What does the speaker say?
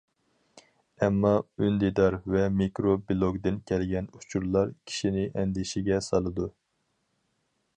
ئەمما ئۈندىدار ۋە مىكرو بىلوگدىن كەلگەن ئۇچۇرلار كىشىنى ئەندىشىگە سالىدۇ.